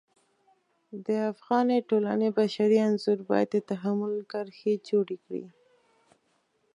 د افغاني ټولنې بشري انځور باید د تحمل کرښې جوړې کړي.